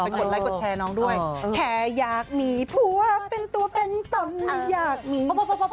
กดอย่างอยากมีผัวเป็นตัวเป็นต่ำอยากมี